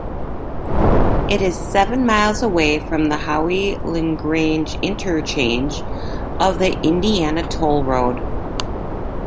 It is seven miles away from the Howe-LaGrange interchange of the Indiana Toll Road.